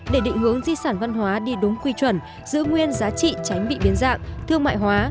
để định hướng di sản văn hóa đi đúng quy chuẩn giữ nguyên giá trị tránh bị biến dạng thương mại hóa